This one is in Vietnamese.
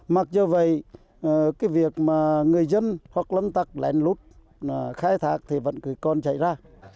mặc dù vậy cái việc mà người dân hoặc lâm tạc lén lút khai thạc thì vẫn còn chạy ra